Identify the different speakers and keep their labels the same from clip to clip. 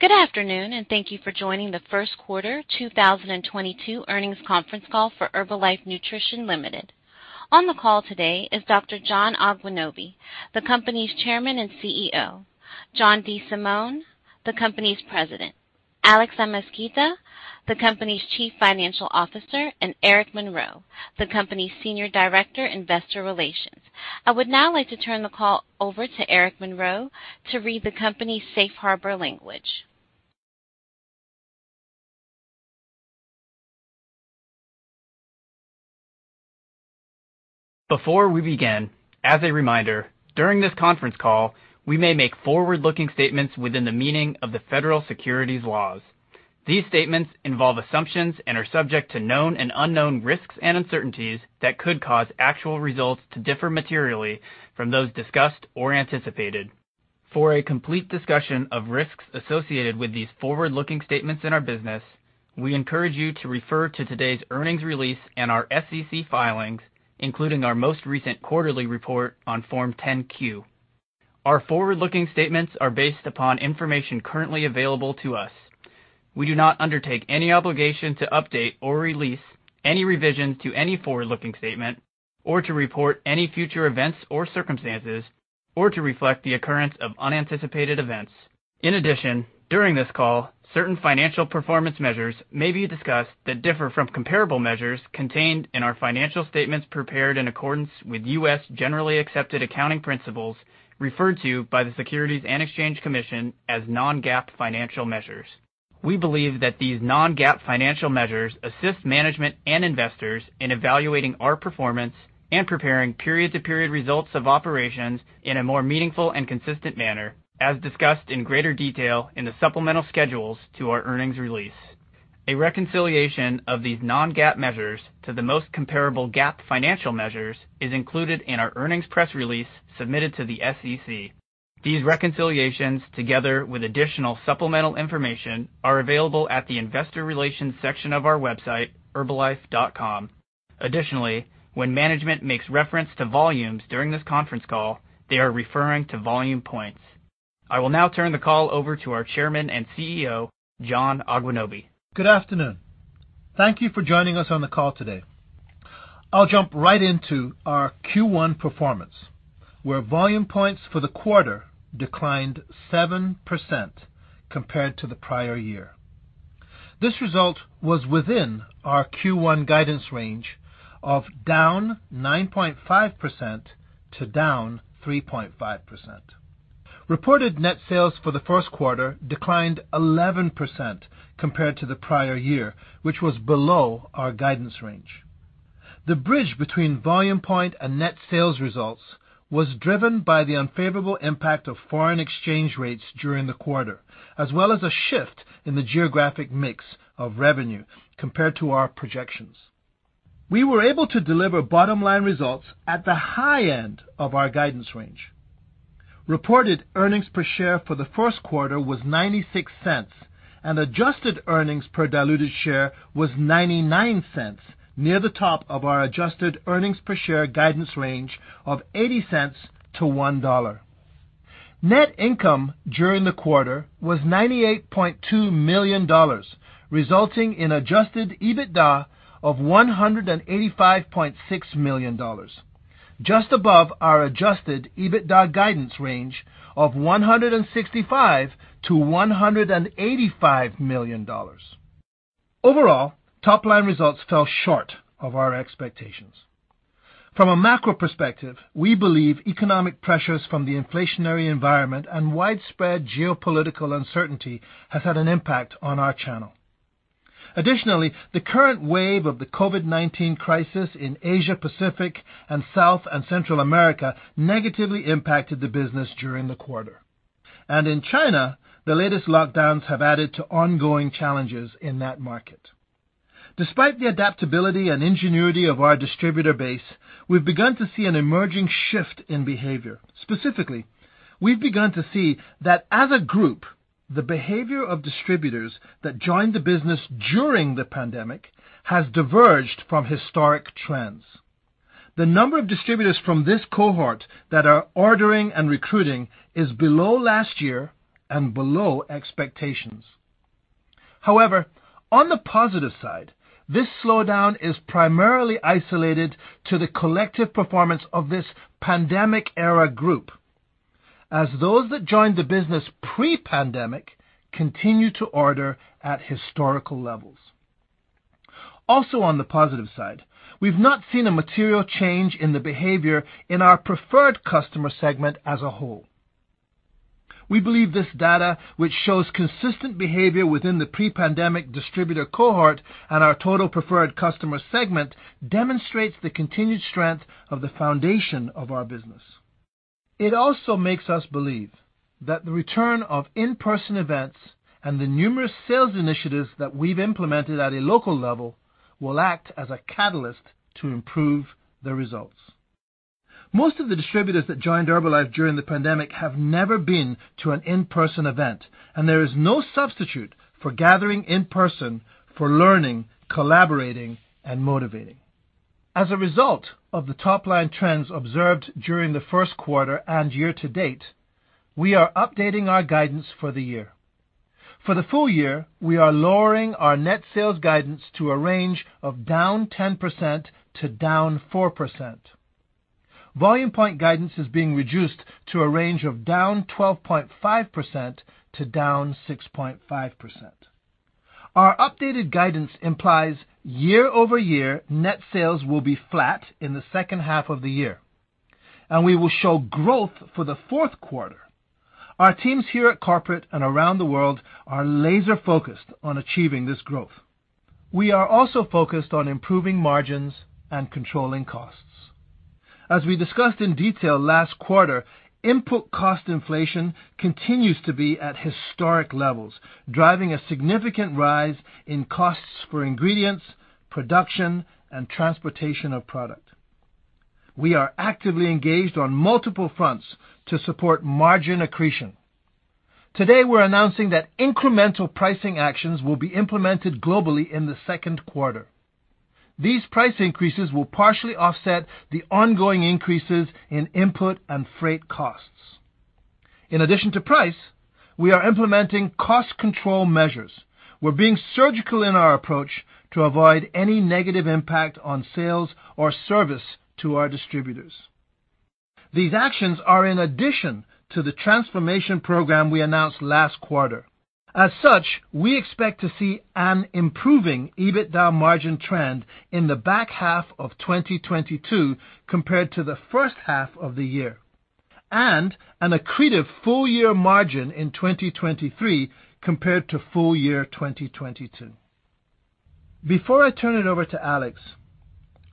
Speaker 1: Good afternoon, and thank you for joining the Q1 2022 earnings Conference Call for Herbalife Nutrition Ltd. On the call today is Dr. John Agwunobi, the company's Chairman and CEO, John DeSimone, the company's President, Alex Amezquita, the company's Chief Financial Officer, and Eric Monroe, the company's Senior Director, Investor Relations. I would now like to turn the call over to Eric Monroe to read the company's safe harbor language.
Speaker 2: Before we begin, as a reminder, during this Conference Call, we may make forward-looking statements within the meaning of the federal securities laws. These statements involve assumptions and are subject to known and unknown risks and uncertainties that could cause actual results to differ materially from those discussed or anticipated. For a complete discussion of risks associated with these forward-looking statements in our business, we encourage you to refer to today's earnings release and our SEC filings, including our most recent quarterly report on Form 10-Q. Our forward-looking statements are based upon information currently available to us. We do not undertake any obligation to update or release any revisions to any forward-looking statement or to report any future events or circumstances or to reflect the occurrence of unanticipated events. In addition, during this call, certain financial performance measures may be discussed that differ from comparable measures contained in our financial statements prepared in accordance with U.S. generally accepted accounting principles referred to by the Securities and Exchange Commission as non-GAAP financial measures. We believe that these non-GAAP financial measures assist management and investors in evaluating our performance and preparing period-to-period results of operations in a more meaningful and consistent manner, as discussed in greater detail in the supplemental schedules to our earnings release. A reconciliation of these non-GAAP measures to the most comparable GAAP financial measures is included in our earnings press release submitted to the SEC. These reconciliations, together with additional supplemental information, are available at the investor relations section of our website, herbalife.com. Additionally, when management makes reference to volumes during this Conference Call, they are referring to Volume Points. I will now turn the call over to our Chairman and CEO, John Agwunobi.
Speaker 3: Good afternoon. Thank you for joining us on the call today. I'll jump right into our Q1 performance, where Volume Points for the quarter declined 7% compared to the prior year. This result was within our Q1 guidance range of down 9.5%-3.5%. Reported net sales for the Q1 declined 11% compared to the prior year, which was below our guidance range. The bridge between Volume Points and net sales results was driven by the unfavorable impact of foreign exchange rates during the quarter, as well as a shift in the geographic mix of revenue compared to our projections. We were able to deliver bottom-line results at the high-end of our guidance range. Reported earnings per share for the Q1 was $0.96, and adjusted earnings per diluted share was $0.99, near the top of our adjusted earnings per share guidance range of $0.80 to $1. Net income during the quarter was $98.2 million, resulting in adjusted EBITDA of $185.6 million, just above our adjusted EBITDA guidance range of $165 million-$185 million. Overall, top-line results fell short of our expectations. From a macro perspective, we believe economic pressures from the inflationary environment and widespread geopolitical uncertainty has had an impact on our channel. Additionally, the current wave of the COVID-19 crisis in Asia-Pacific and South and Central America negatively impacted the business during the quarter. In China, the latest lockdowns have added to ongoing challenges in that market. Despite the adaptability and ingenuity of our distributor base, we've begun to see an emerging shift in behavior. Specifically, we've begun to see that as a group, the behavior of distributors that joined the business during the pandemic has diverged from historic trends. The number of distributors from this cohort that are ordering and recruiting is below last year and below expectations. However, on the positive side, this slowdown is primarily isolated to the collective performance of this pandemic-era group, as those that joined the business pre-pandemic continue to order at historical levels. Also on the positive side, we've not seen a material change in the behavior in our preferred customer segment as a whole. We believe this data, which shows consistent behavior within the pre-pandemic distributor cohort and our total preferred customer segment, demonstrates the continued strength of the foundation of our business. It also makes us believe that the return of in-person events and the numerous sales initiatives that we've implemented at a local level will act as a catalyst to improve the results. Most of the distributors that joined Herbalife during the pandemic have never been to an in-person event, and there is no substitute for gathering in person for learning, collaborating, and motivating. As a result of the top-line trends observed during the Q1 and year to date, we are updating our guidance for the year. For the full-year, we are lowering our net sales guidance to a range of down 10% to down 4%. Volume Points guidance is being reduced to a range of down 12.5% to down 6.5%. Our updated guidance implies year-over-year net sales will be flat in the second half of the year, and we will show growth for the Q4. Our teams here at corporate and around the world are laser-focused on achieving this growth. We are also focused on improving margins and controlling costs. As we discussed in detail last quarter, input cost inflation continues to be at historic levels, driving a significant rise in costs for ingredients, production, and transportation of product. We are actively engaged on multiple fronts to support margin accretion. Today, we're announcing that incremental pricing actions will be implemented globally in the Q2. These price increases will partially offset the ongoing increases in input and freight costs. In addition to price, we are implementing cost control measures. We're being surgical in our approach to avoid any negative impact on sales or service to our distributors. These actions are in addition to the transformation program we announced last quarter. As such, we expect to see an improving EBITDA margin trend in the back half of 2022 compared to the first half of the year, and an accretive full-year margin in 2023 compared to full-year 2022. Before I turn it over to Alex,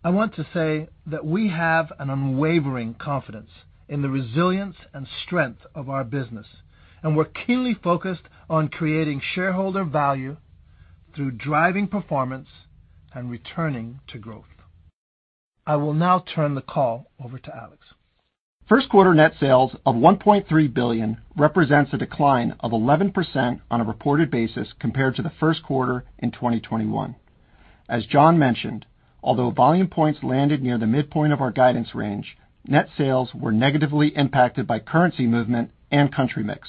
Speaker 3: I want to say that we have an unwavering confidence in the resilience and strength of our business, and we're keenly focused on creating shareholder value through driving performance and returning to growth. I will now turn the call over to Alex.
Speaker 4: Q1 net sales of $1.3 billion represents a decline of 11% on a reported basis compared to the Q1 2021. As John mentioned, although Volume Points landed near the midpoint of our guidance range, net sales were negatively impacted by currency movement and country mix.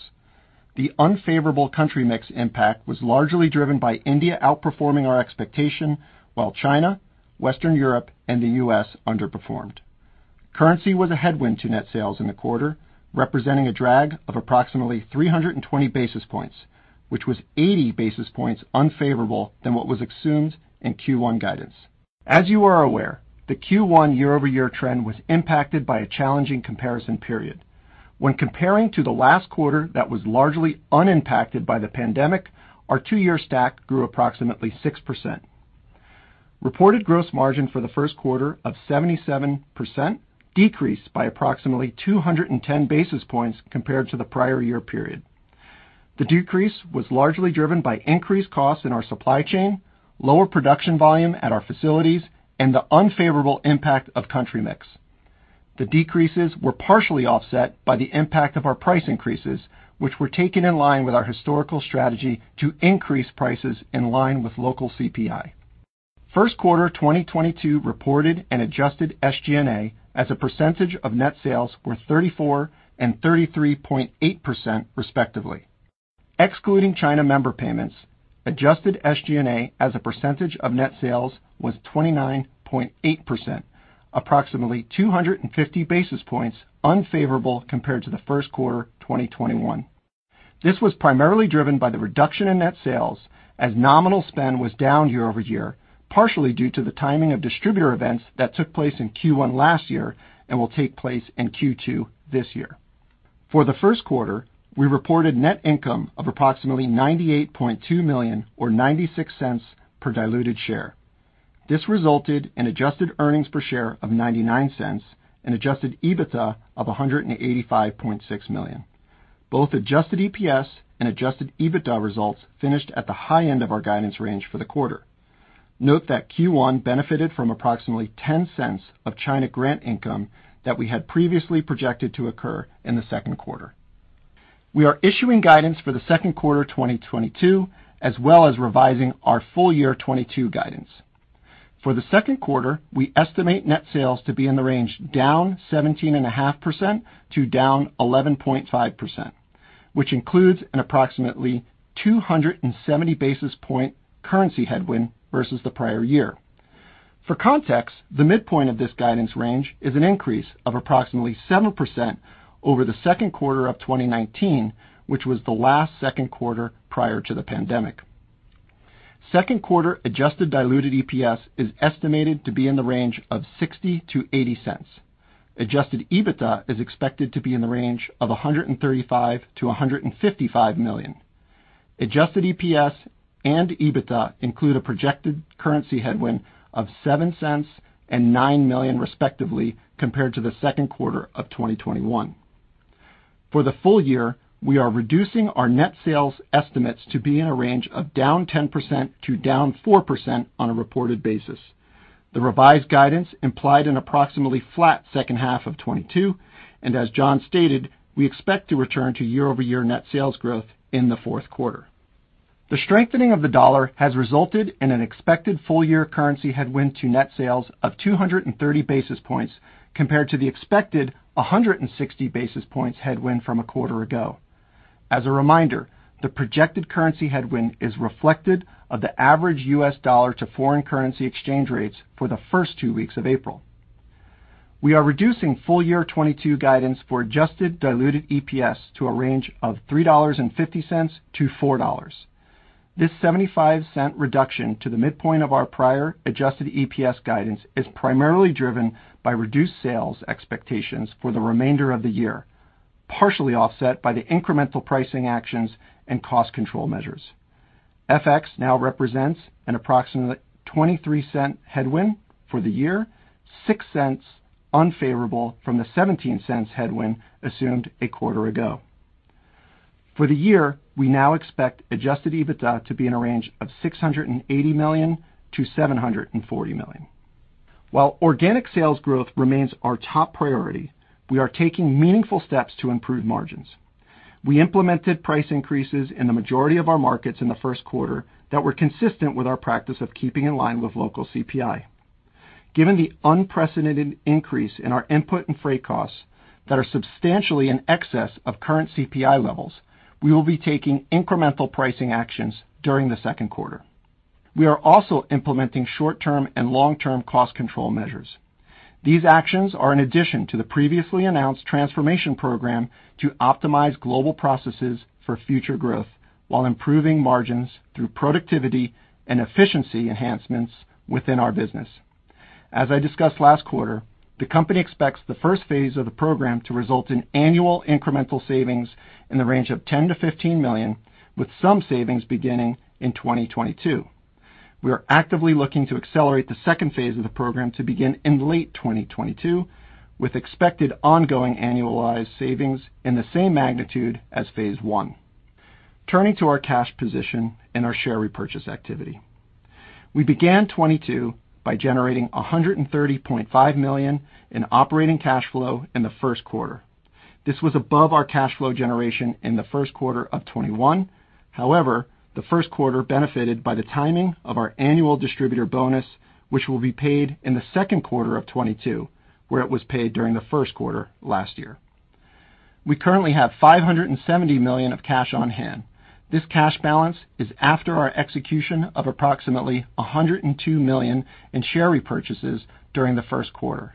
Speaker 4: The unfavorable country mix impact was largely driven by India outperforming our expectation while China, Western Europe, and the US. underperformed. Currency was a headwind to net sales in the quarter, representing a drag of approximately 320 basis points, which was 80 basis points unfavorable than what was assumed in Q1 guidance. As you are aware, the Q1 year-over-year trend was impacted by a challenging comparison period. When comparing to the last quarter that was largely unimpacted by the pandemic, our two-year stack grew approximately 6%. Reported gross margin for the Q1 of 77% decreased by approximately 210 basis points compared to the prior year period. The decrease was largely driven by increased costs in our supply chain, lower production volume at our facilities, and the unfavorable impact of country mix. The decreases were partially offset by the impact of our price increases, which were taken in line with our historical strategy to increase prices in line with local CPI. Q1r 2022 reported an adjusted SG&A as a percentage of net sales were 34 and 33.8%, respectively. Excluding China member payments, adjusted SG&A as a percentage of net sales was 29.8%, approximately 250 basis points unfavorable compared to the Q1 2021. This was primarily driven by the reduction in net sales as nominal spend was down year-over-year, partially due to the timing of distributor events that took place in Q1 last year and will take place in Q2 this year. For the Q1, we reported net income of approximately $98.2 million or $0.96 per diluted share. This resulted in adjusted earnings per share of $0.99 and adjusted EBITDA of $185.6 million. Both adjusted EPS and adjusted EBITDA results finished at the high-end of our guidance range for the quarter. Note that Q1 benefited from approximately $0.10 of China grant income that we had previously projected to occur in the Q2. We are issuing guidance for the Q2 2022, as well as revising our full-year 2022 guidance. For the Q2, we estimate net sales to be in the range down 17.5% to down 11.5%, which includes an approximately 270 basis point currency headwind versus the prior year. For context, the midpoint of this guidance range is an increase of approximately 7% over the Q2 2019, which was the last Q2 prior to the pandemic. Q2 adjusted diluted EPS is estimated to be in the range of $0.60-$0.80. Adjusted EBITDA is expected to be in the range of $135 million-$155 million. Adjusted EPS and EBITDA include a projected currency headwind of $0.07 and $9 million, respectively, compared to the Q2 of 2021. For the full-year, we are reducing our net sales estimates to be in a range of down 10% to down 4% on a reported basis. The revised guidance implied an approximately flat second half of 2022, and as John stated, we expect to return to year-over-year net sales growth in the Q4. The strengthening of the dollar has resulted in an expected full-year currency headwind to net sales of 230 basis points compared to the expected 160 basis points headwind from a quarter ago. As a reminder, the projected currency headwind is reflective of the average US dollar to foreign currency exchange rates for the first two weeks of April. We are reducing full-year 2022 guidance for adjusted diluted EPS to a range of $3.50-$4.00. This $0.75 reduction to the midpoint of our prior adjusted EPS guidance is primarily driven by reduced sales expectations for the remainder of the year, partially offset by the incremental pricing actions and cost control measures. FX now represents an approximately $0.23 headwind for the year, $0.06 unfavorable from the $0.17 headwind assumed a quarter ago. For the year, we now expect adjusted EBITDA to be in a range of $680 million-$740 million. While organic sales growth remains our top priority, we are taking meaningful steps to improve margins. We implemented price increases in the majority of our markets in the Q1 that were consistent with our practice of keeping in line with local CPI. Given the unprecedented increase in our input and freight costs that are substantially in excess of current CPI levels, we will be taking incremental pricing actions during the Q2. We are also implementing short-term and long-term cost control measures. These actions are in addition to the previously announced transformation program to optimize global processes for future growth while improving margins through productivity and efficiency enhancements within our business. As I discussed last quarter, the company expects the first phase of the program to result in annual incremental savings in the range of $10 million-$15 million, with some savings beginning in 2022. We are actively looking to accelerate the second phase of the program to begin in late 2022, with expected ongoing annualized savings in the same magnitude as phase one. Turning to our cash position and our share repurchase activity. We began 2022 by generating $130.5 million in operating cash flow in the Q1. This was above our cash flow generation in the Q1 2021. However, the Q1 benefited by the timing of our annual distributor bonus, which will be paid in the Q2 2022, where it was paid during the Q1 last year. We currently have $570 million of cash on hand. This cash balance is after our execution of approximately $102 million in share repurchases during the Q1.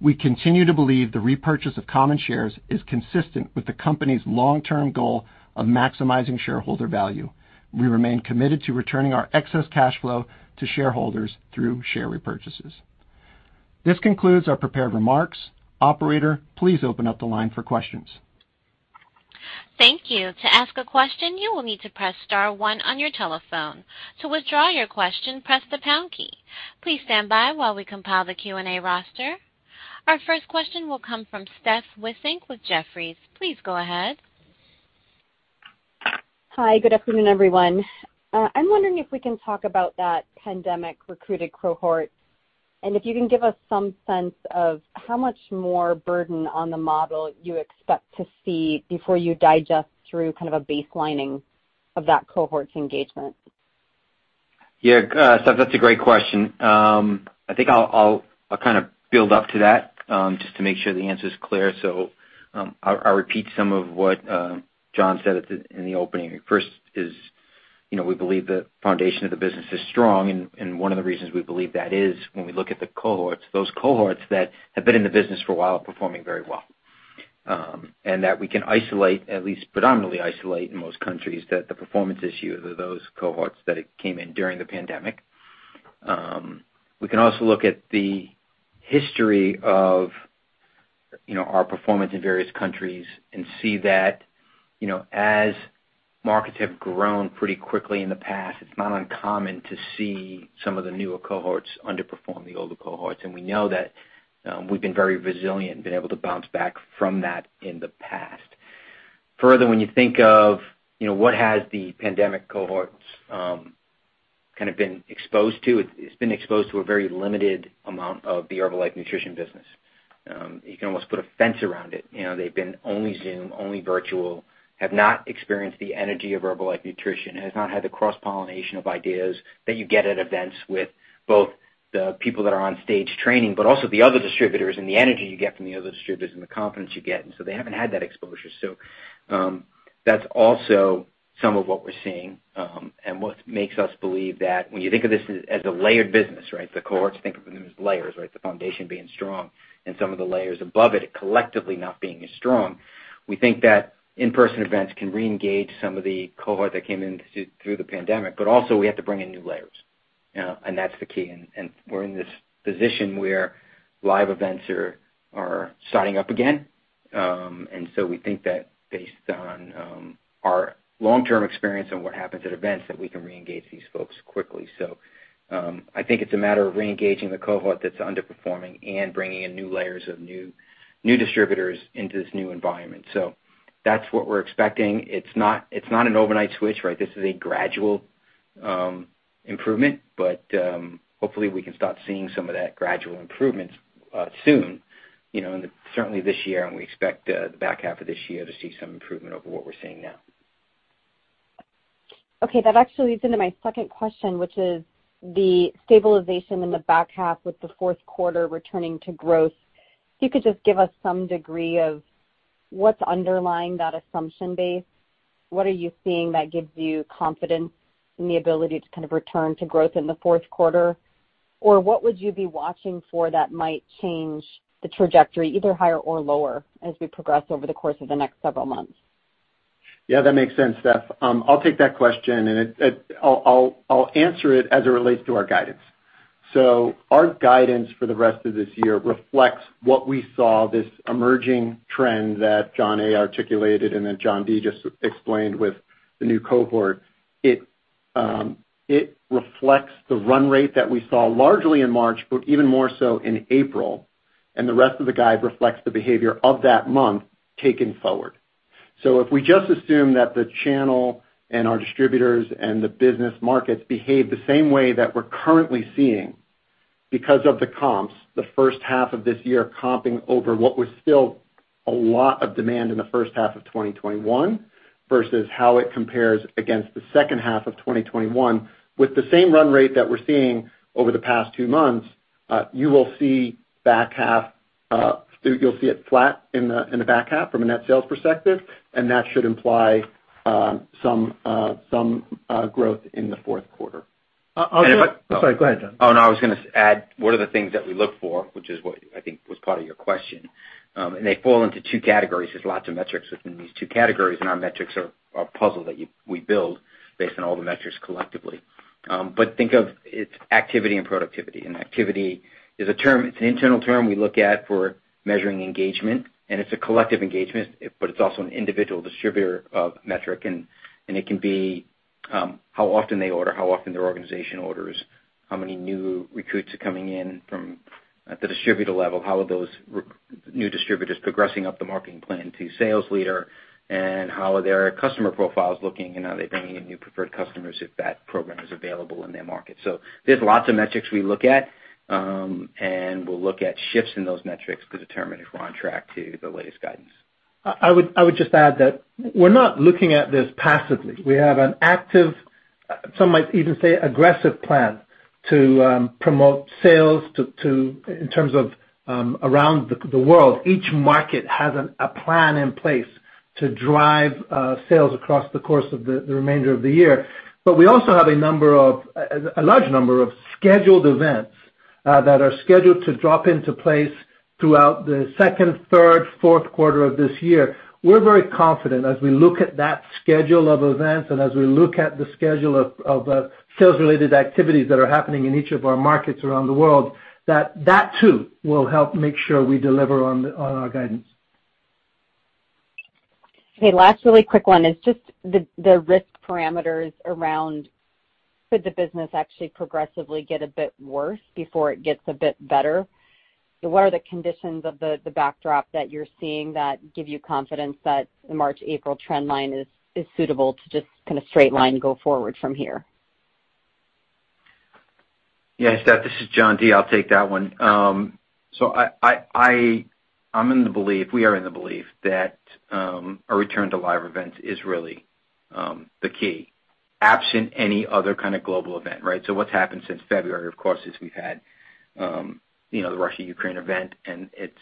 Speaker 4: We continue to believe the repurchase of common shares is consistent with the company's long-term goal of maximizing shareholder value. We remain committed to returning our excess cash flow to shareholders through share repurchases. This concludes our prepared remarks. Operator, please open up the line for questions.
Speaker 1: Thank you. To ask a question, you will need to press star one on your telephone. To withdraw your question, press the pound key. Please stand by while we compile the Q&A roster. Our first question will come from Steph Wissink with Jefferies. Please go ahead.
Speaker 5: Hi, good afternoon, everyone. I'm wondering if we can talk about that pandemic recruited cohort, and if you can give us some sense of how much more burden on the model you expect to see before you digest through kind of a baselining of that cohort's engagement.
Speaker 4: Steph, that's a great question. I think I'll kind of build up to that, just to make sure the answer is clear. I'll repeat some of what John said in the opening. First, you know, we believe the foundation of the business is strong, and one of the reasons we believe that is when we look at the cohorts, those cohorts that have been in the business for a while are performing very well. And that we can isolate, at least predominantly isolate in most countries, that the performance issue of those cohorts that came in during the pandemic. We can also look at the history of, you know, our performance in various countries and see that, you know, as markets have grown pretty quickly in the past, it's not uncommon to see some of the newer cohorts underperform the older cohorts. We know that, we've been very resilient and been able to bounce back from that in the past. Further, when you think of, you know, what has the pandemic cohorts, kind of been exposed to, it's been exposed to a very limited amount of the Herbalife Nutrition business. You can almost put a fence around it. You know, they've been only Zoom, only virtual, have not experienced the energy of Herbalife Nutrition, has not had the cross-pollination of ideas that you get at events with both the people that are on stage training, but also the other distributors and the energy you get from the other distributors and the confidence you get. They haven't had that exposure. That's also some of what we're seeing, and what makes us believe that when you think of this as a layered business, right? The cohorts, think of them as layers, right? The foundation being strong and some of the layers above it collectively not being as strong. We think that in-person events can reengage some of the cohort that came in through the pandemic, but also we have to bring in new layers, and that's the key. We're in this position where live events are starting up again. We think that based on our long-term experience on what happens at events, that we can reengage these folks quickly. I think it's a matter of reengaging the cohort that's underperforming and bringing in new layers of new distributors into this new environment. That's what we're expecting. It's not an overnight switch, right? This is a gradual. Hopefully we can start seeing some of that gradual improvements soon, you know, certainly this year, and we expect the back half of this year to see some improvement over what we're seeing now.
Speaker 5: Okay, that actually leads into my second question, which is the stabilization in the back half with the Q4 returning to growth. If you could just give us some degree of what's underlying that assumption base, what are you seeing that gives you confidence in the ability to kind of return to growth in the Q4? Or what would you be watching for that might change the trajectory either higher or lower as we progress over the course of the next several months?
Speaker 4: Yeah, that makes sense, Steph. I'll take that question, and I'll answer it as it relates to our guidance. Our guidance for the rest of this year reflects what we saw, this emerging trend that John A. articulated and that John D. just explained with the new cohort. It reflects the run rate that we saw largely in March, but even more so in April. The rest of the guide reflects the behavior of that month taken forward. If we just assume that the channel and our distributors and the business markets behave the same way that we're currently seeing because of the comps, the first half of this year comping over what was still a lot of demand in the first half of 2021 versus how it compares against the second half of 2021. With the same run rate that we're seeing over the past two months, you will see back half, you'll see it flat in the back half from a net sales perspective, and that should imply some growth in the Q4.
Speaker 6: And if I-
Speaker 4: Sorry, go ahead, John.
Speaker 6: Oh, no, I was gonna add one of the things that we look for, which is what I think was part of your question. They fall into two categories. There's lots of metrics within these two categories, and our metrics are a puzzle that we build based on all the metrics collectively. Think of it as activity and productivity. Activity is a term, it's an internal term we look at for measuring engagement, and it's a collective engagement, but it's also an individual distributor metric. It can be how often they order, how often their organization orders, how many new recruits are coming in from the distributor level, how are those new distributors progressing up the marketing plan to sales leader, and how are their customer profiles looking, and are they bringing in new preferred customers if that program is available in their market. There's lots of metrics we look at, and we'll look at shifts in those metrics to determine if we're on track to the latest guidance.
Speaker 2: I would just add that we're not looking at this passively. We have an active, some might even say, aggressive plan to promote sales around the world. Each market has a plan in place to drive sales across the course of the remainder of the year. We also have a large number of scheduled events that are scheduled to drop into place throughout the Q2, Q3, Q4 this year. We're very confident as we look at that schedule of events and as we look at the schedule of sales-related activities that are happening in each of our markets around the world, that too will help make sure we deliver on our guidance.
Speaker 5: Okay, last really quick one is just the risk parameters around could the business actually progressively get a bit worse before it gets a bit better? What are the conditions of the backdrop that you're seeing that give you confidence that the March-April trend line is suitable to just kind of straight line go forward from here?
Speaker 6: Yeah, Steph, this is John D. I'll take that one. We are in the belief that a return to live events is really the key, absent any other kind of global event, right? What's happened since February, of course, is we've had you know, the Russia-Ukraine event, and it's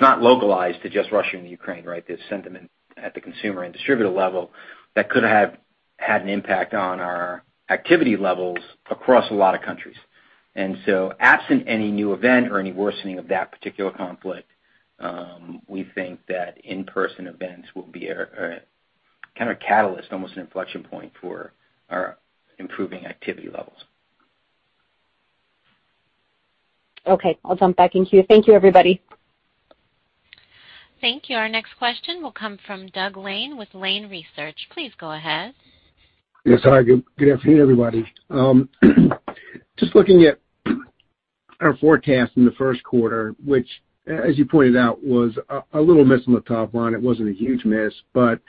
Speaker 6: not localized to just Russia and Ukraine, right? There's sentiment at the consumer and distributor level that could have had an impact on our activity levels across a lot of countries. Absent any new event or any worsening of that particular conflict, we think that in-person events will be a kind of catalyst, almost an inflection point for our improving activity levels.
Speaker 5: Okay. I'll jump back in queue. Thank you, everybody.
Speaker 1: Thank you. Our next question will come from Doug Lane with Lane Research. Please go ahead.
Speaker 7: Yes. Hi, good afternoon, everybody. Just looking at our forecast in the Q1 which, as you pointed out, was a little miss on the top-line. It wasn't a huge miss, but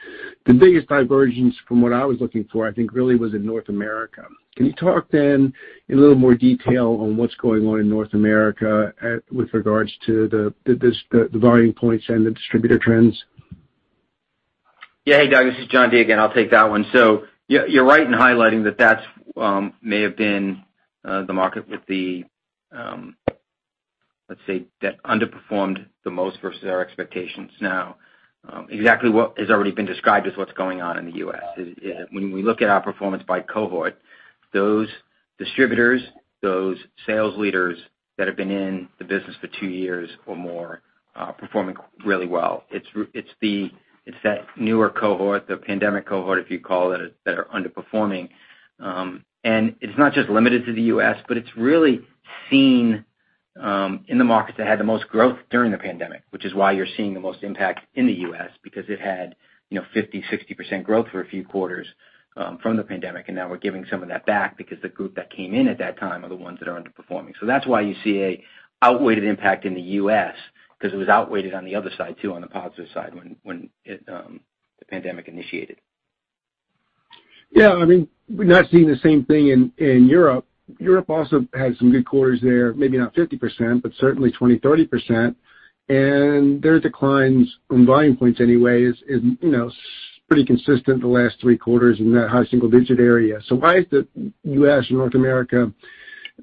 Speaker 7: the biggest divergence from what I was looking for, I think, really was in North America. Can you talk then in a little more detail on what's going on in North America with regards to the volume points and the distributor trends?
Speaker 6: Yeah. Hey, Doug, this is John D. again. I'll take that one. You're right in highlighting that that may have been the market, let's say, that underperformed the most versus our expectations. Now, exactly what has already been described as what's going on in the US. is when we look at our performance by cohort, those distributors, those sales leaders that have been in the business for two years or more, are performing really well. It's that newer cohort, the pandemic cohort, if you call it, that are underperforming. It's not just limited to the US., but it's really seen in the markets that had the most growth during the pandemic, which is why you're seeing the most impact in the US. because it had, you know, 50, 60% growth for a few quarters from the pandemic, and now we're giving some of that back because the group that came in at that time are the ones that are underperforming. That's why you see an outsized impact in the US. because it was outsized on the other side too, on the positive side, when the pandemic initiated.
Speaker 7: Yeah. I mean, we're not seeing the same thing in Europe. Europe also had some good quarters there, maybe not 50%, but certainly 20%-30%. Their declines from Volume Points anyway is, you know, pretty consistent the last 3 quarters in that high single-digit area. Why is the US. North America,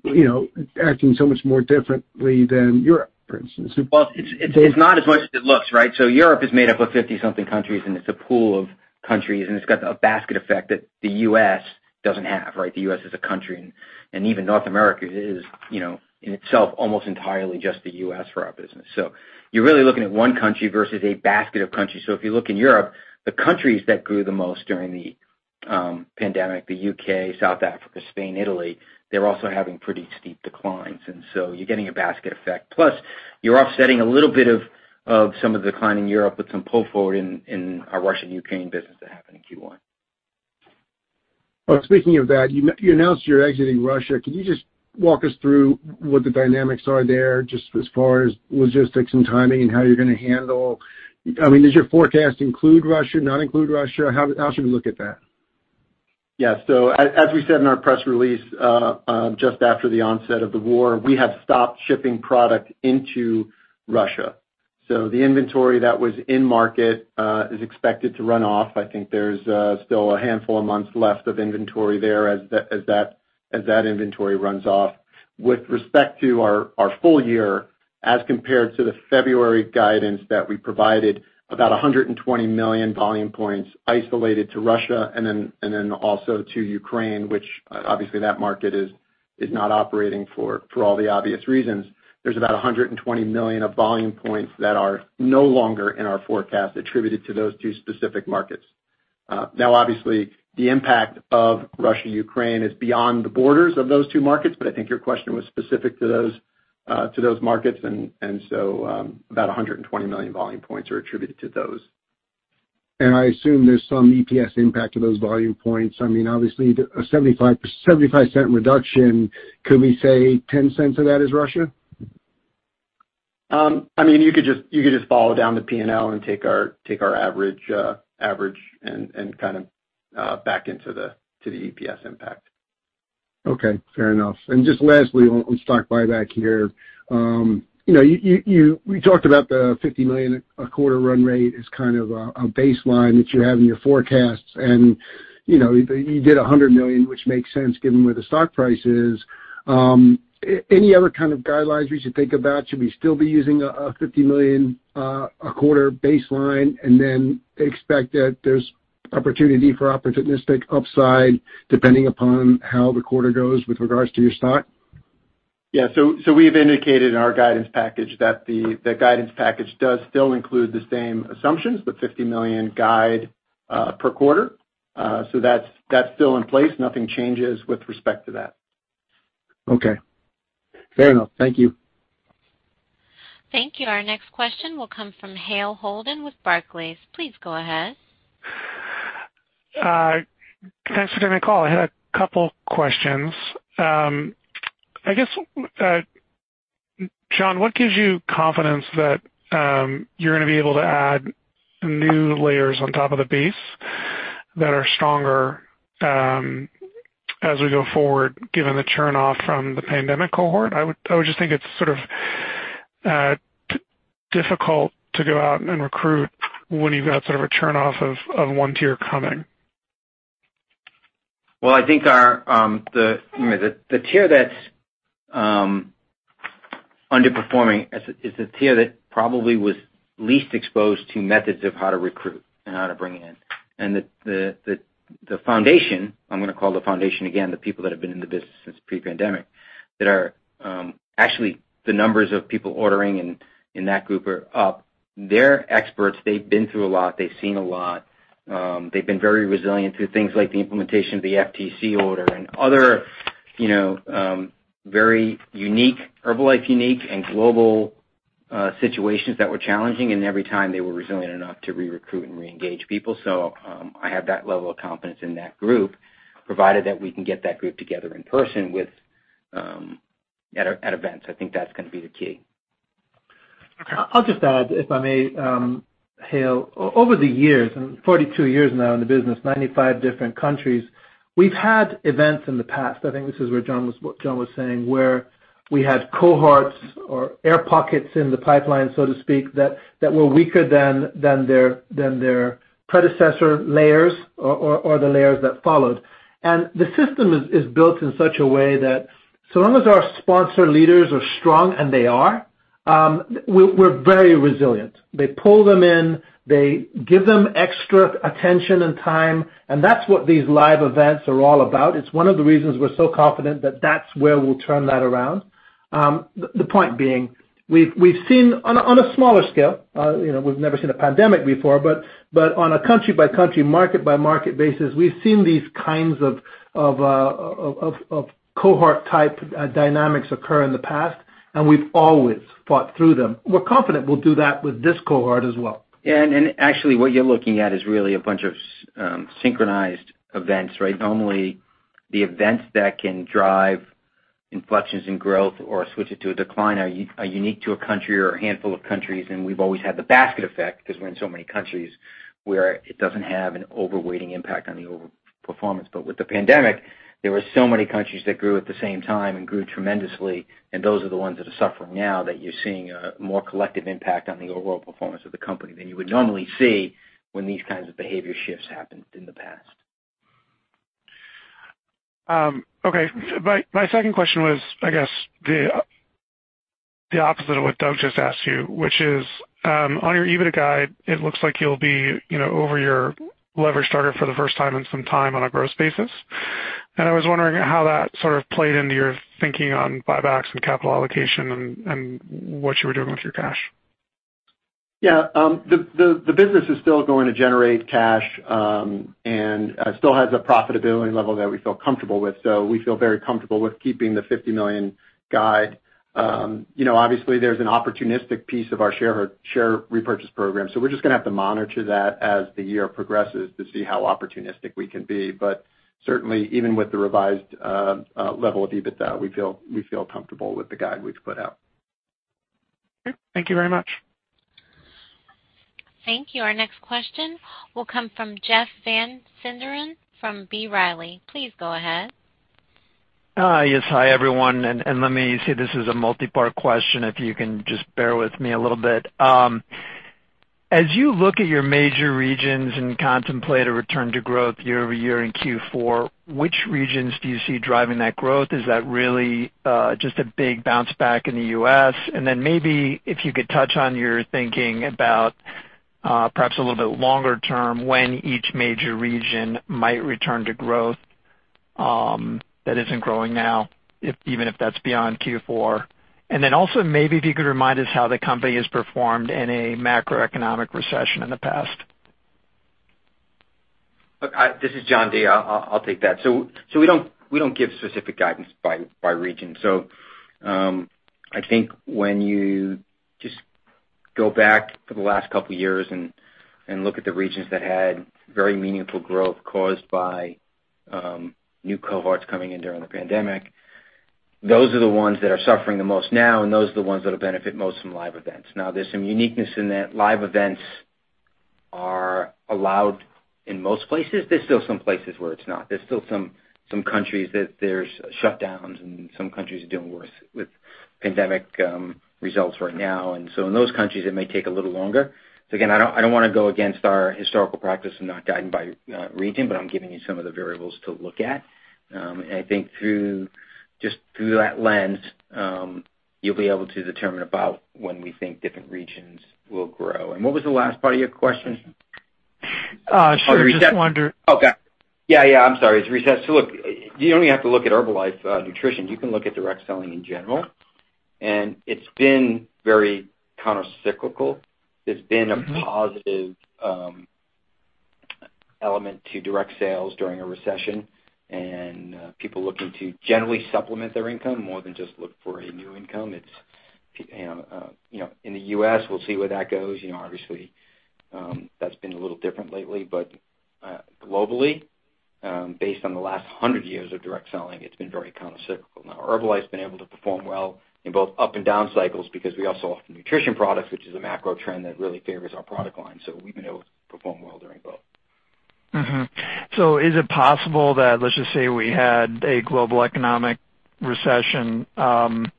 Speaker 7: you know, acting so much more differently than Europe, for instance?
Speaker 6: Well, it's not as much as it looks, right? Europe is made up of 50-something countries, and it's a pool of countries, and it's got a basket effect that the US. doesn't have, right? The US. is a country, and even North America is, you know, in itself almost entirely just the US. for our business. You're really looking at one country versus a basket of countries. If you look in Europe, the countries that grew the most during the pandemic, the U.K., South Africa, Spain, Italy, they're also having pretty steep declines. You're getting a basket effect. Plus, you're offsetting a little bit of some of the decline in Europe with some pull forward in our Russia and Ukraine business that happened in Q1.
Speaker 7: Well, speaking of that, you announced you're exiting Russia. Can you just walk us through what the dynamics are there just as far as logistics and timing and how you're gonna handle? I mean, does your forecast include Russia, not include Russia? How should we look at that?
Speaker 4: Yeah. As we said in our press release, just after the onset of the war, we have stopped shipping product into Russia. The inventory that was in market is expected to run off. I think there's still a handful of months left of inventory there as that inventory runs off. With respect to our full-year as compared to the February guidance that we provided, about 120 million Volume Points isolated to Russia and then also to Ukraine, which obviously that market is not operating for all the obvious reasons. There's about 120 million Volume Points that are no longer in our forecast attributed to those two specific markets. Now obviously, the impact of Russia, Ukraine is beyond the borders of those two markets, but I think your question was specific to those markets. About 120 million Volume Points are attributed to those.
Speaker 7: I assume there's some EPS impact to those volume points. I mean, obviously the $0.75 reduction, could we say $0.10 of that is Russia?
Speaker 4: I mean, you could just follow down the P&L and take our average and kind of back into the EPS impact.
Speaker 7: Okay. Fair enough. Just lastly on stock buyback here. You know, you... We talked about the $50 million a quarter run rate as kind of a baseline that you have in your forecasts. You know, you did $100 million, which makes sense given where the stock price is. Any other kind of guidelines we should think about? Should we still be using a $50 million a quarter baseline, and then expect that there's opportunity for opportunistic upside depending upon how the quarter goes with regards to your stock?
Speaker 4: We've indicated in our guidance package that the guidance package does still include the same assumptions, the $50 million guide per quarter. That's still in place. Nothing changes with respect to that.
Speaker 7: Okay. Fair enough. Thank you.
Speaker 1: Thank you. Our next question will come from Hale Holden with Barclays. Please go ahead.
Speaker 8: Thanks for taking the call. I had a couple questions. I guess, John, what gives you confidence that you're gonna be able to add new layers on top of the base that are stronger, as we go forward, given the churn off from the pandemic cohort? I would just think it's sort of difficult to go out and recruit when you've got sort of a churn off of one tier coming.
Speaker 3: Well, I think the tier that's underperforming is the tier that probably was least exposed to methods of how to recruit and how to bring in. You know, the foundation, I'm gonna call the foundation, again, the people that have been in the business since pre-pandemic that are actually the numbers of people ordering in that group are up. They're experts. They've been through a lot. They've seen a lot. They've been very resilient through things like the implementation of the FTC order and other, you know, very unique, Herbalife unique and global situations that were challenging, and every time they were resilient enough to recruit and reengage people. I have that level of confidence in that group, provided that we can get that group together in person at events.
Speaker 4: I think that's gonna be the key.
Speaker 8: Okay.
Speaker 4: I'll just add, if I may, Hale. Over the years, and 42 years now in the business, 95 different countries, we've had events in the past. I think this is where John was, what John was saying, where we had cohorts or air pockets in the pipeline, so to speak, that were weaker than their predecessor layers or the layers that followed. The system is built in such a way that so long as our sponsor leaders are strong, and they are, we're very resilient. They pull them in, they give them extra attention and time, and that's what these live events are all about. It's one of the reasons we're so confident that that's where we'll turn that around.
Speaker 7: The point being, we've seen on a smaller scale, you know, we've never seen a pandemic before, but on a country by country, market by market basis, we've seen these kinds of cohort type dynamics occur in the past, and we've always fought through them. We're confident we'll do that with this cohort as well.
Speaker 6: Yeah. Actually what you're looking at is really a bunch of synchronized events, right? Normally. The events that can drive inflections in growth or switch it to a decline are unique to a country or a handful of countries, and we've always had the basket effect because we're in so many countries where it doesn't have an overweighting impact on the overall performance. With the pandemic, there were so many countries that grew at the same time and grew tremendously, and those are the ones that are suffering now that you're seeing a more collective impact on the overall performance of the company than you would normally see when these kinds of behavior shifts happened in the past.
Speaker 8: Okay. My second question was, I guess, the opposite of what Doug just asked you, which is, on your EBITDA guide, it looks like you'll be, you know, over your leverage target for the first time in some time on a growth basis. I was wondering how that sort of played into your thinking on buybacks and capital allocation and what you were doing with your cash.
Speaker 4: Yeah. The business is still going to generate cash, and still has a profitability level that we feel comfortable with. We feel very comfortable with keeping the $50 million guide. You know, obviously, there's an opportunistic piece of our share repurchase program, so we're just gonna have to monitor that as the year progresses to see how opportunistic we can be. Certainly, even with the revised level of EBITDA, we feel comfortable with the guide we've put out.
Speaker 8: Okay. Thank you very much.
Speaker 1: Thank you. Our next question will come from Jeff Van Sinderen from B. Riley. Please go ahead.
Speaker 9: Yes. Hi, everyone. Let me say this is a multipart question if you can just bear with me a little bit. As you look at your major regions and contemplate a return to growth year-over-year in Q4, which regions do you see driving that growth? Is that really just a big bounce back in the US? Maybe if you could touch on your thinking about perhaps a little bit longer-term, when each major region might return to growth that isn't growing now, if even if that's beyond Q4. Maybe if you could remind us how the company has performed in a macroeconomic recession in the past.
Speaker 6: This is John DeSimone. I'll take that. We don't give specific guidance by region. I think when you just go back to the last couple years and look at the regions that had very meaningful growth caused by new cohorts coming in during the pandemic, those are the ones that are suffering the most now, and those are the ones that will benefit most from live events. Now, there's some uniqueness in that live events are allowed in most places. There's still some places where it's not. There's still some countries that there's shutdowns and some countries are doing worse with pandemic results right now. In those countries, it may take a little longer. Again, I don't wanna go against our historical practice of not guiding by region, but I'm giving you some of the variables to look at. I think, just through that lens, you'll be able to determine about when we think different regions will grow. What was the last part of your question?
Speaker 9: Sure.
Speaker 6: Oh, recess-
Speaker 9: Just wonder-
Speaker 6: Okay. Yeah, I'm sorry. It's resilient. Look, you don't even have to look at Herbalife Nutrition. You can look at direct selling in general, and it's been very countercyclical. There's been-
Speaker 9: Mm-hmm.
Speaker 6: A positive element to direct sales during a recession and people looking to generally supplement their income more than just look for a new income. It's you know in the US we'll see where that goes. You know obviously that's been a little different lately. Globally based on the last 100 years of direct selling it's been very countercyclical. Now Herbalife's been able to perform well in both up and down cycles because we also offer nutrition products which is a macro trend that really favors our product line so we've been able to perform well during both.
Speaker 9: Is it possible that, let's just say we had a global economic recession, possible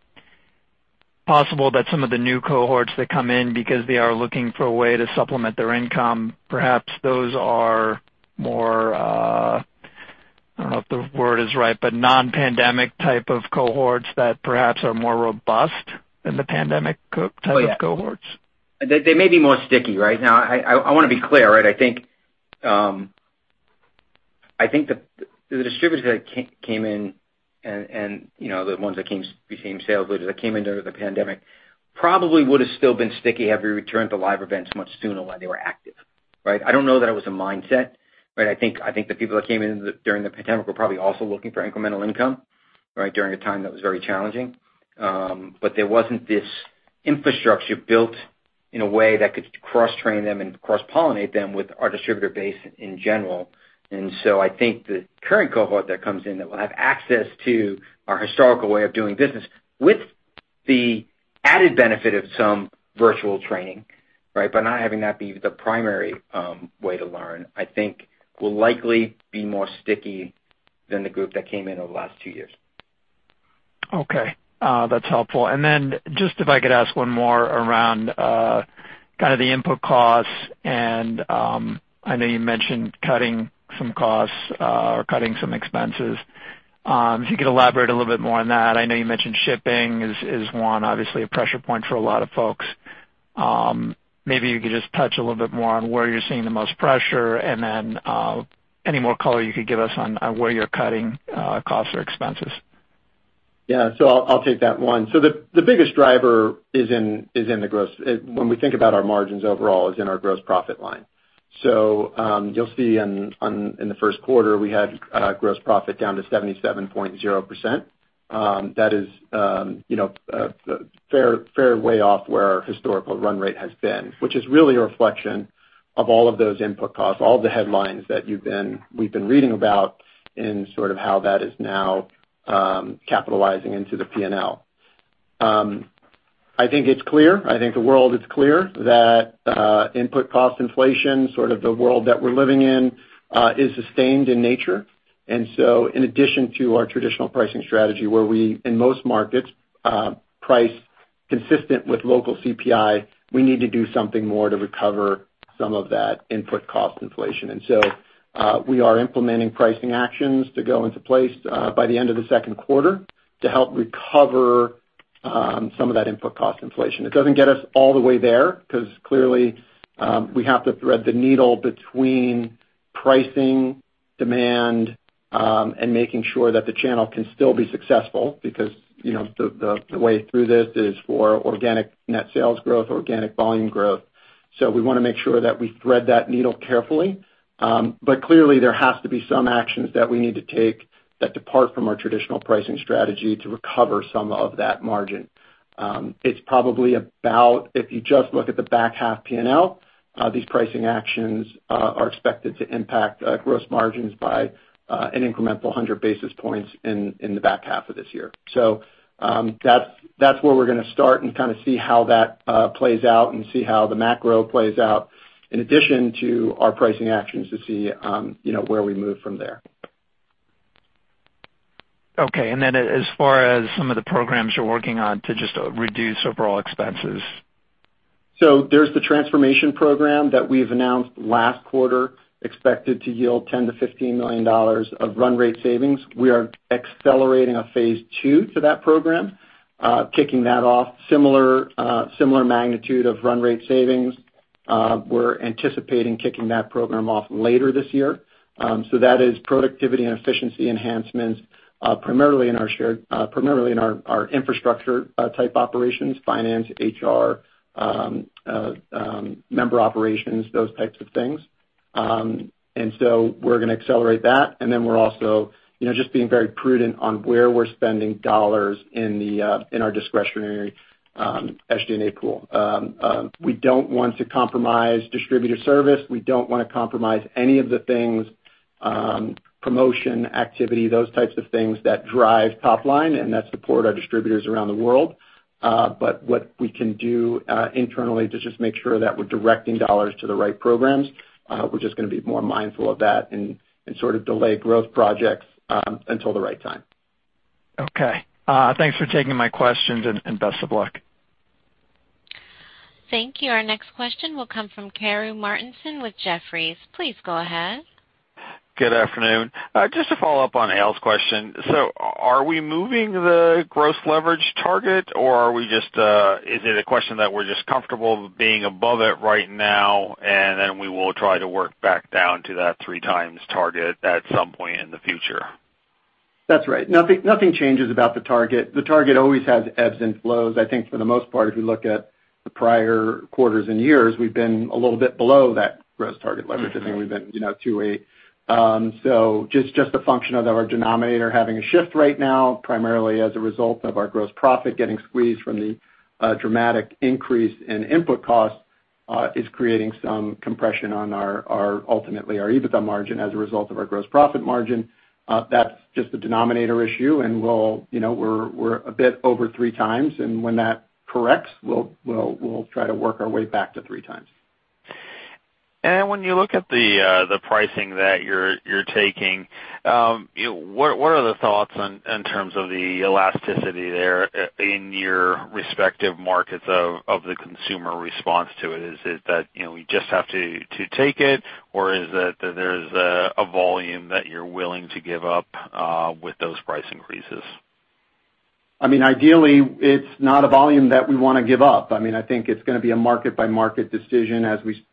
Speaker 9: that some of the new cohorts that come in because they are looking for a way to supplement their income, perhaps those are more, I don't know if the word is right, but non-pandemic type of cohorts that perhaps are more robust than the pandemic type of cohorts?
Speaker 6: Oh, yeah. They may be more sticky, right? Now, I wanna be clear, right? I think the distributors that came in and, you know, the ones that came, became sales leaders that came in during the pandemic probably would've still been sticky had we returned to live events much sooner while they were active, right? I don't know that it was a mindset, right? I think the people that came in during the pandemic were probably also looking for incremental income, right, during a time that was very challenging. There wasn't this infrastructure built in a way that could cross-train them and cross-pollinate them with our distributor base in general. I think the current cohort that comes in that will have access to our historical way of doing business with the added benefit of some virtual training, right, but not having that be the primary, way to learn, I think will likely be more sticky than the group that came in over the last two years.
Speaker 9: Okay. That's helpful. Just if I could ask one more around kind of the input costs and, I know you mentioned cutting some costs or cutting some expenses. If you could elaborate a little bit more on that. I know you mentioned shipping is one obviously a pressure point for a lot of folks. Maybe you could just touch a little bit more on where you're seeing the most pressure and then any more color you could give us on where you're cutting costs or expenses.
Speaker 4: Yeah. I'll take that one. The biggest driver, when we think about our margins overall, is in our gross profit line. You'll see, in the Q1, we had gross profit down to 77.0%. That is, you know, a fair way off where our historical run rate has been, which is really a reflection of all of those input costs, all of the headlines that we've been reading about in sort of how that is now capitalizing into the P&L. I think it's clear. I think the world is clear that input cost inflation, sort of the world that we're living in, is sustained in nature. In addition to our traditional pricing strategy, where we, in most markets, price consistent with local CPI, we need to do something more to recover some of that input cost inflation. We are implementing pricing actions to go into place by the end of the Q2 to help recover some of that input cost inflation. It doesn't get us all the way there 'cause clearly, we have to thread the needle between pricing, demand, and making sure that the channel can still be successful because, you know, the way through this is for organic net sales growth, organic volume growth. We wanna make sure that we thread that needle carefully. Clearly, there has to be some actions that we need to take that depart from our traditional pricing strategy to recover some of that margin. It's probably about, if you just look at the back half P&L, these pricing actions are expected to impact gross margins by an incremental 100 basis points in the back half of this year. That's where we're gonna start and kinda see how that plays out and see how the macro plays out in addition to our pricing actions to see you know where we move from there.
Speaker 9: Okay. As far as some of the programs you're working on to just reduce overall expenses.
Speaker 4: There's the transformation program that we've announced last quarter, expected to yield $10-$15 million of run rate savings. We are accelerating a phase two to that program, kicking that off. Similar magnitude of run rate savings. We're anticipating kicking that program off later this year. That is productivity and efficiency enhancements, primarily in our infrastructure type operations, finance, HR, member operations, those types of things. We're gonna accelerate that. We're also, you know, just being very prudent on where we're spending dollars in our discretionary SG&A pool. We don't want to compromise distributor service. We don't wanna compromise any of the things, promotion, activity, those types of things that drive top-line and that support our distributors around the world. What we can do internally to just make sure that we're directing dollars to the right programs, we're just gonna be more mindful of that and sort of delay growth projects until the right time.
Speaker 9: Okay. Thanks for taking my questions and best of luck.
Speaker 1: Thank you. Our next question will come from Anna Lizzul with Jefferies. Please go ahead.
Speaker 10: Good afternoon. Just to follow-up on Al's question. Are we moving the gross leverage target or are we just, is it a question that we're just comfortable being above it right now, and then we will try to work back down to that three times target at some point in the future?
Speaker 4: That's right. Nothing changes about the target. The target always has ebbs and flows. I think for the most part, if you look at the prior quarters and years, we've been a little bit below that gross target leverage. I think we've been, you know, 2x. Just a function of our denominator having a shift right now, primarily as a result of our gross profit getting squeezed from the dramatic increase in input costs is creating some compression on our ultimately our EBITDA margin as a result of our gross profit margin. That's just a denominator issue and we'll, you know, we're a bit over 3x. When that corrects, we'll try to work our way back to 3x.
Speaker 10: When you look at the pricing that you're taking, what are the thoughts in terms of the elasticity there in your respective markets of the consumer response to it? Is it that, you know, we just have to take it, or is it that there's a volume that you're willing to give up with those price increases?
Speaker 4: I mean, ideally, it's not a volume that we wanna give up. I mean, I think it's gonna be a market by market decision as we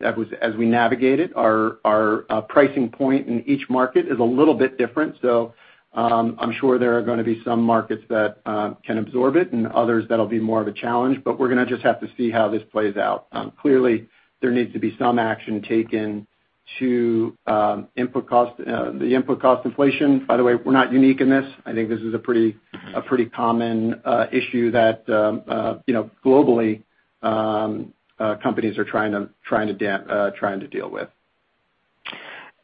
Speaker 4: navigate it. Our pricing point in each market is a little bit different. So, I'm sure there are gonna be some markets that can absorb it, and others that'll be more of a challenge, but we're gonna just have to see how this plays out. Clearly, there needs to be some action taken to input cost inflation. By the way, we're not unique in this. I think this is a pretty common issue that, you know, globally, companies are trying to deal with.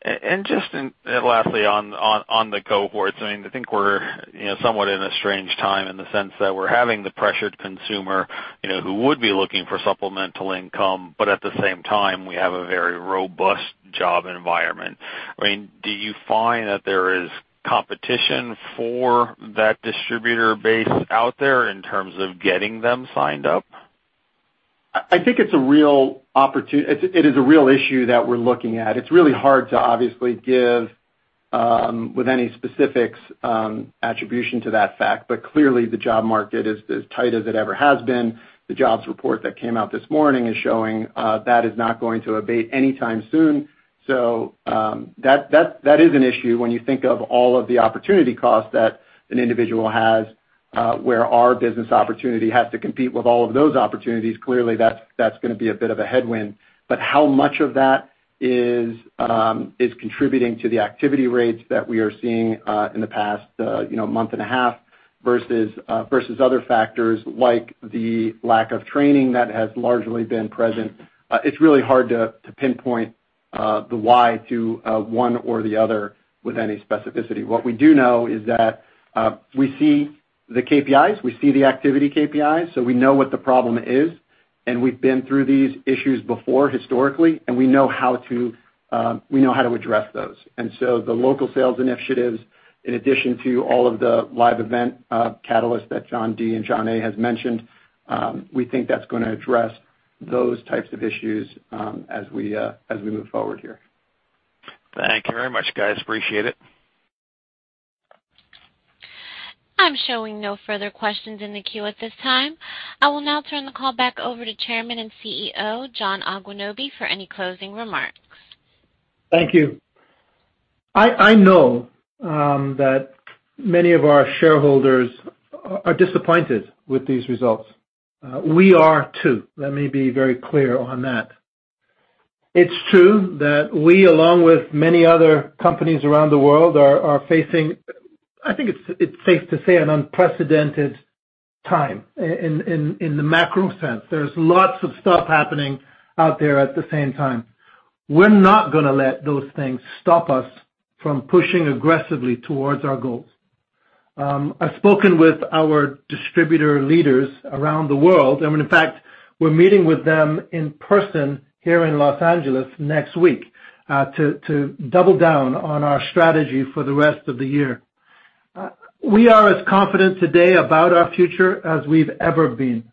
Speaker 10: Lastly on the cohorts, I mean, I think we're, you know, somewhat in a strange time in the sense that we're having the pressured consumer, you know, who would be looking for supplemental income, but at the same time, we have a very robust job environment. I mean, do you find that there is competition for that distributor base out there in terms of getting them signed up?
Speaker 4: I think it is a real issue that we're looking at. It's really hard to obviously give any specific attribution to that fact. Clearly, the job market is as tight as it ever has been. The jobs report that came out this morning is showing that it is not going to abate anytime soon. That is an issue when you think of all of the opportunity costs that an individual has where our business opportunity has to compete with all of those opportunities. Clearly, that's gonna be a bit of a headwind. How much of that is contributing to the activity rates that we are seeing in the past you know month and a half versus other factors like the lack of training that has largely been present. It's really hard to pinpoint the why to one or the other with any specificity. What we do know is that we see the KPIs, we see the activity KPIs, so we know what the problem is, and we've been through these issues before historically, and we know how to address those. The local sales initiatives, in addition to all of the live event catalyst that John D. and John A. has mentioned, we think that's gonna address those types of issues, as we move forward here.
Speaker 10: Thank you very much, guys. Appreciate it.
Speaker 1: I'm showing no further questions in the queue at this time. I will now turn the call back over to Chairman and CEO, John Agwunobi for any closing remarks.
Speaker 3: Thank you. I know that many of our shareholders are disappointed with these results. We are too. Let me be very clear on that. It's true that we, along with many other companies around the world, are facing. I think it's safe to say an unprecedented time in the macro sense. There's lots of stuff happening out there at the same time. We're not gonna let those things stop us from pushing aggressively towards our goals. I've spoken with our distributor leaders around the world, and in fact, we're meeting with them in person here in Los Angeles next week to double down on our strategy for the rest of the year. We are as confident today about our future as we've ever been.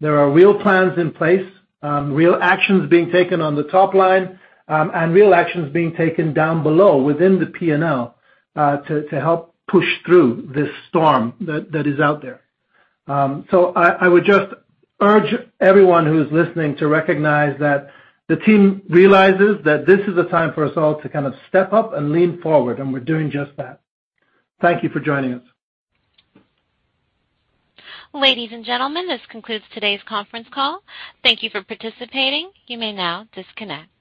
Speaker 3: There are real plans in place, real actions being taken on the top-line, and real actions being taken down below within the P&L, to help push through this storm that is out there. I would just urge everyone who's listening to recognize that the team realizes that this is a time for us all to kind of step up and lean forward, and we're doing just that. Thank you for joining us.
Speaker 1: Ladies and gentlemen, this concludes today's Conference Call. Thank you for participating. You may now disconnect.